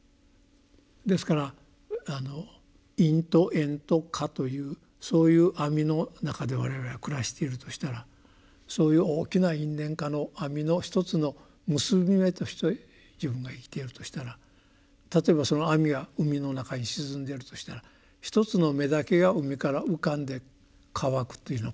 ですから「因」と「縁」と「果」というそういう網の中で我々は暮らしているとしたらそういう大きな「因」「縁」「果」の網の一つの結び目として自分が生きているとしたら例えばその網が海の中に沈んでるとしたら一つの目だけが海から浮かんで乾くというようなことはあるかもしれないと。